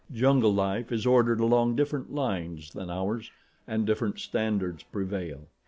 Jungle life is ordered along different lines than ours and different standards prevail.